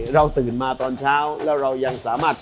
ตื่นมาตอนเช้าแล้วเรายังสามารถ